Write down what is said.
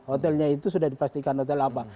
hotelnya itu sudah dipastikan hotel apa